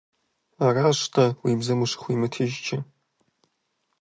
Аращ-тӀэ, уи бзэм ущыхуимытыжкӀэ.